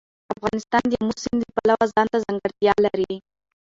افغانستان د آمو سیند له پلوه ځانته ځانګړتیا لري.